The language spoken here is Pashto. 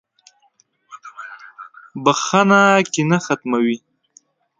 • بخښنه کینه ختموي.